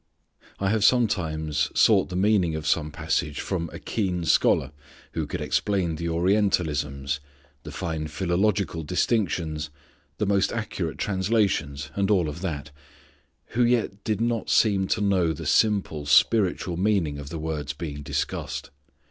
I have sometimes sought the meaning of some passage from a keen scholar who could explain the orientalisms, the fine philological distinctions, the most accurate translations, and all of that, who yet did not seem to know the simple spiritual meaning of the words being discussed.